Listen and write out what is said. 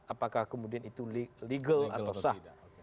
apakah kemudian itu legal atau sah